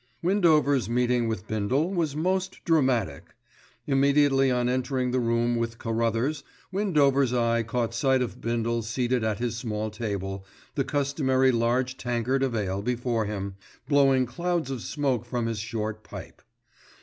Windover's meeting with Bindle was most dramatic. Immediately on entering the room with Carruthers, Windover's eye caught sight of Bindle seated at his small table, the customary large tankard of ale before him, blowing clouds of smoke from his short pipe.